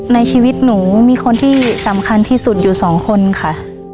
ในชีวิตหนูมีคนที่สำคัญที่สุดอยู่สองคนค่ะ